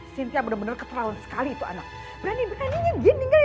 sintia bener bener keterlaluan sekali itu anak berani beraninya dia ninggalin saya